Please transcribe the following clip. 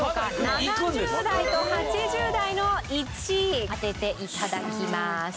７０代と８０代の１位当てて頂きます。